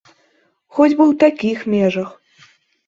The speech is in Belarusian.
Хоць бы ў такіх межах.